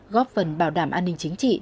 góp phần bảo đảm an ninh chính trị